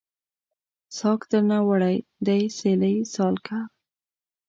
ساګ درنه وړی دی سیلۍ سالکه